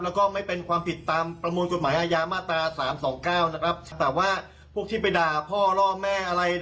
แล้วก็ไม่เป็นความผิดตามประมวลกฎหมาย